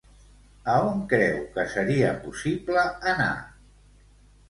A on creu que seria possible anar?